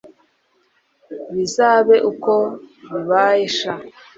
bizabe uko bibaye sha